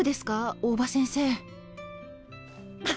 大葉先生。